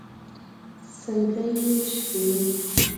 سلګۍ يې شوې.